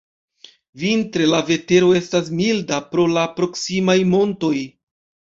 Vintre la vetero estas milda pro la proksimaj montoj.